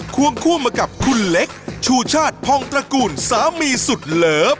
วงคู่มากับคุณเล็กชูชาติพองตระกูลสามีสุดเลิฟ